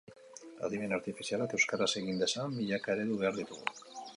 Adimen artifizialak euskaraz egin dezan milaka eredu behar ditugu.